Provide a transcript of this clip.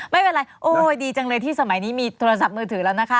ไม่เป็นไรโอ้ยดีจังเลยที่สมัยนี้มีโทรศัพท์มือถือแล้วนะคะ